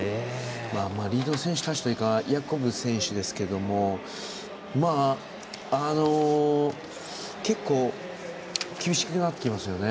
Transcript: リード選手たちというかヤコブ選手ですけれども結構、厳しくなってきますよね